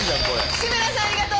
志村さんありがとう！